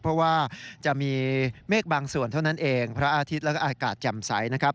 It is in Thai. เพราะว่าจะมีเมฆบางส่วนเท่านั้นเองพระอาทิตย์แล้วก็อากาศแจ่มใสนะครับ